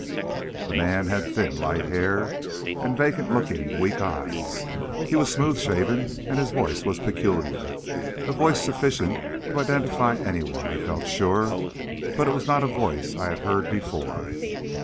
This man had thin, light hair and vacant looking, weak eyes. He was smooth shaven and his voice was peculiar, a voice sufficient to identify anyone, I felt sure, but it was not a voice I had heard before.